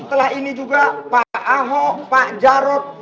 setelah ini juga pak ahok pak jarod